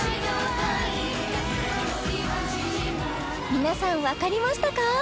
皆さんわかりましたか？